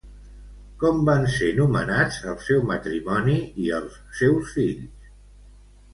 Com van ser nomenats el seu matrimoni i els seus fills?